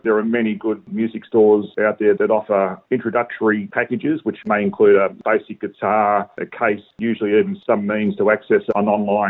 dan kadang kadang kita bisa menghasilkan